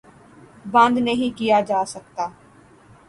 بند نہیں کیا جا سکتا